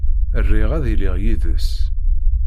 Riɣ ad iliɣ yid-s.